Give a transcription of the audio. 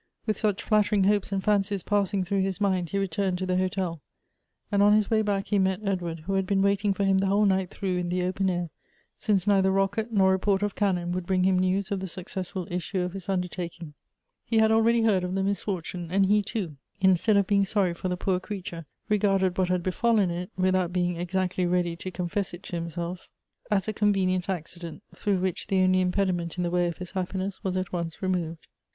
With such flattering hopes and fancies passing through his mind, he returned to the hotel, and on his way b.aek he met Edward, who had been waiting for him the whole night through in the open air, since neither rocket nor report of cannon would bring him news of the successful issue of his undertaking. He had already heard of the misfortune ; and he too, instead of being sorry for the poor creature, regarded what had befallen it, without being exactly ready to confess it to himself, as a conven 286 Goethe's ient accident, through which the only inpediment in the way of his happiness was at once removed.